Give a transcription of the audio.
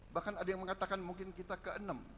bahkan ada yang mengatakan mungkin kita ke enam